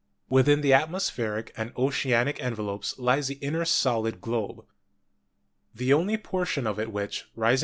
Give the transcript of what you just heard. Within the atmospheric and oceanic envelopes lies the inner solid globe. The only portion of it which, rising?